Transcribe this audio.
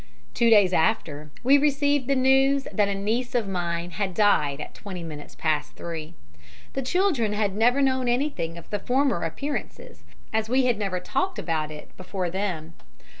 "Two days after we received the news that a niece of mine had died at twenty minutes past three. The children had never known anything of the former appearances, as we had never talked about it before them.